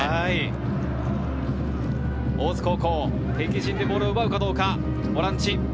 大津高校、敵陣でボールを奪うかどうか、ボランチ。